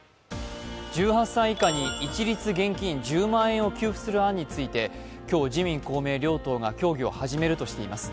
１８歳以下に一律現金１０万円を給付する案について今日、自民・公明両党が協議を始めるとしています。